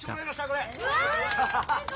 これ！